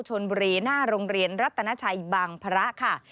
ชนบุรีหน้าโรงเรียนรัตนาชัยบางพระค่ะ